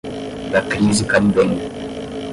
da crise caribenha